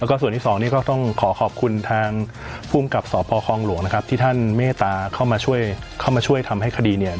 แล้วก็ส่วนที่สองนี่ก็ต้องขอขอบคุณทางภูมิกับสพคลองหลวงนะครับที่ท่านเมตตาเข้ามาช่วยเข้ามาช่วยทำให้คดีเนี่ย